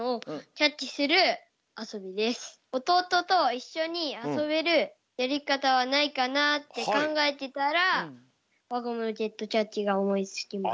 おとうとといっしょにあそべるやりかたはないかなってかんがえてたらわゴムロケットキャッチがおもいつきました。